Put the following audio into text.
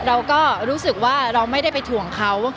เราก็รู้สึกว่าเราไม่ได้ไปถ่วงเขา